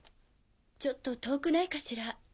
ちょっと遠くないかしら？